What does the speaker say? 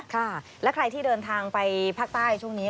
ค่ะและใครที่เดินทางไปภาคใต้ช่วงนี้